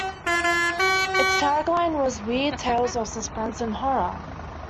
Its tagline was Weird tales of suspense and horror!